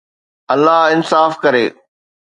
الله انصاف ڪري